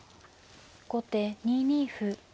後手２二歩。